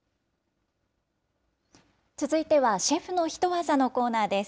続いてはシェフのヒトワザのコーナーです。